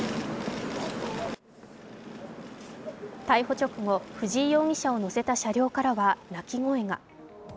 逮捕直後、藤井容疑者を乗せた車両からは泣き声が。